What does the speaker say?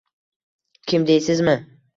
Kim deysizmi?